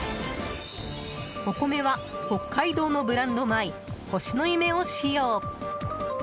お米は北海道のブランド米ほしのゆめを使用。